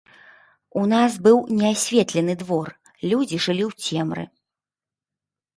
У нас быў неасветлены двор, людзі жылі ў цемры.